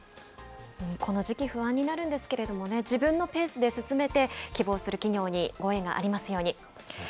この時期不安になるんですけれどもね、自分のペースで進めて、希望する企業にご縁がありますように。